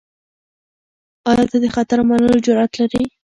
آیا ته د خطر منلو جرئت لرې؟